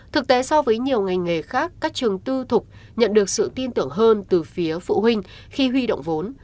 thực tế so với nhiều ngành nghề khác các trường tư thục nhận được sự tin tưởng hơn từ phía phụ huynh khi huy động vốn